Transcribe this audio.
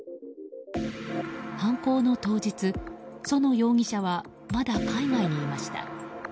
犯行の当日、薗容疑者はまだ海外にいました。